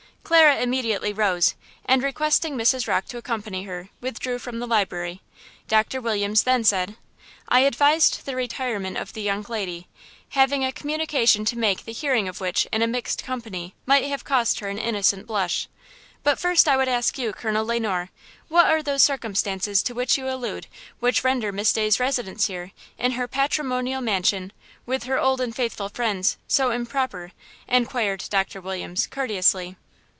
Clara immediately rose and, requesting Mrs. Rocke to accompany her, withdrew from the library. Doctor Williams then said: "I advised the retirement of the young lady, having a communication to make the hearing of which in a mixed company might have cost her an innocent blush. But first I would ask you, Colonel Le Noir, what are those circumstances to which you allude which render Miss Day's residence here, in her patrimonial mansion, with her old and faithful friends, so improper?" inquired Doctor Williams, courteously.